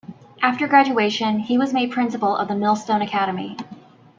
After graduation, he was made Principal of the Millstone Academy.